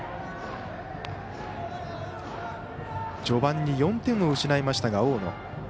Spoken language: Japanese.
序盤に４点を失いました、大野。